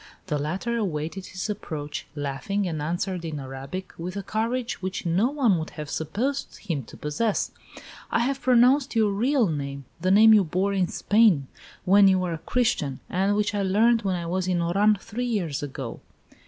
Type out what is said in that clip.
The latter awaited his approach, laughing, and answered in Arabic, with a courage which no one would have supposed him to possess: "I have pronounced your real name; the name you bore in Spain when you were a Christian, and which I learned when I was in Oran three years ago."